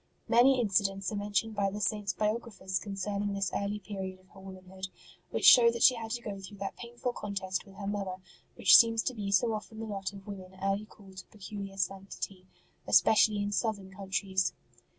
Many incidents are men tioned by the Saint s biographers concerning this early period of her womanhood, which show that 62 HER VICTORY OVER VANITY 63 she had to go through that painful contest with her mother which seems to be so often the lot of women early called to peculiar sanctity, especially in Southern countries.